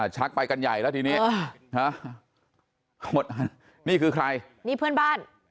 ชักไปกันใหญ่แล้วทีนี้นี่คือใครนี่เพื่อนบ้าน